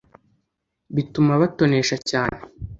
bituma abatonesha cyane.